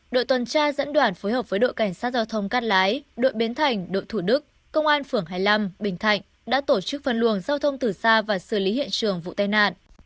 đội tuần tra dẫn đoàn phối hợp với đội cảnh sát giao thông cắt lái đội bến thành đội thủ đức công an phường hai mươi năm bình thạnh đã tổ chức phân luồng giao thông từ xa và xử lý hiện trường vụ tai nạn